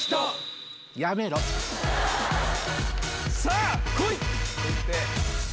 さぁ来い！